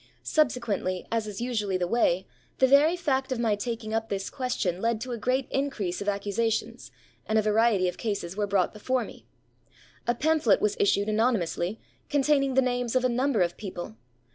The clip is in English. Subsequently, as is usually the way, the very fact of my taking up this question led to a great increase of accusations, and a variety of cases were brought before me. A pamphlet was issued anonymously, containing the names of a number of people.